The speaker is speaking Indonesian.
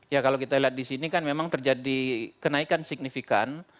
ya kalau kita lihat di sini kan memang terjadi kenaikan signifikan